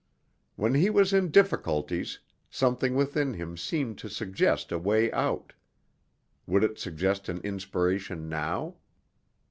When he was in difficulties, something within him seemed to suggest a way out. Would it suggest an inspiration now?